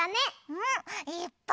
うん！いっぱい！